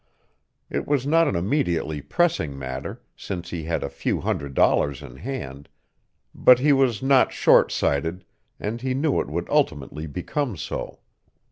It was not an immediately pressing matter, since he had a few hundred dollars in hand, but he was not short sighted and he knew it would ultimately become so.